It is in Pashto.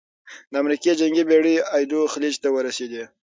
د امریکا جنګي بېړۍ ایدو خلیج ته ورسېدې.